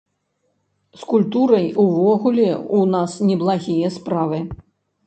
З культурай увогуле ў нас неблагія справы.